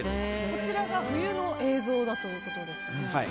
こちらが冬の映像だということです。